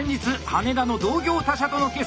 羽田の同業他社との決戦。